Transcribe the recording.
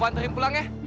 aku anterin pulang ya